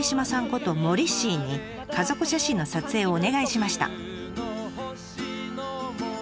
ことモリッシーに家族写真の撮影をお願いしました。